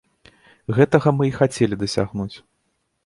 Гэтага мы і хацелі дасягнуць.